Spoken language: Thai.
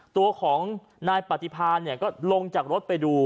ตัวของนายปฏิพาเนี่ยก็ลงจากรถไปดู